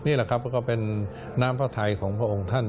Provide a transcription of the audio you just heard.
นี่แหละครับก็เป็นน้ำพระไทยของพระองค์ท่าน